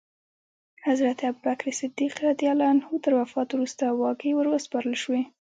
حضرت ابوبکر صدیق تر وفات وروسته واګې وروسپارل شوې.